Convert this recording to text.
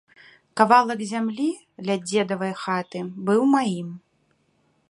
Кавалак зямлі ля дзедавай хаты быў маім.